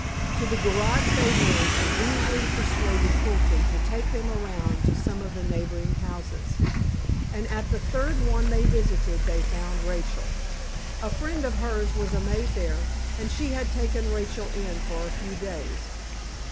To the garage they went and easily persuaded Fulton to take them around to some of the neighboring houses. And at the third one they visited they found Rachel. A friend of hers was a maid there, and she had taken Rachel in for a few days.